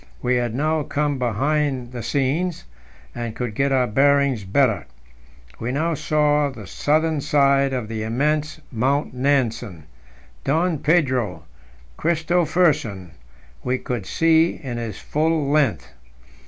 We had now come behind the scenes, and could get our bearings better. We now saw the southern side of the immense Mount Nansen; Don Pedro Christophersen we could see in his full length.